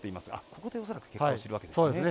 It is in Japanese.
ここで、恐らく結果を知るわけですね。